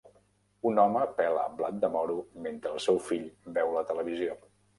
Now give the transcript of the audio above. Un home pela blat de moro mentre el seu fill veu la televisió.